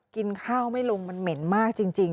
กินข้าวไม่ลงมันเหม็นมากจริง